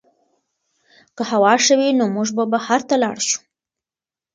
که هوا ښه وي نو موږ به بهر ته لاړ شو.